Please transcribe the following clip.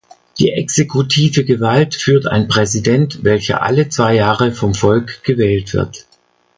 Die exekutive Gewalt führt ein Präsident, welcher alle zwei Jahre vom Volk gewählt wird.